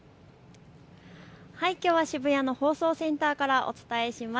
きょうは渋谷の放送センターからお伝えします。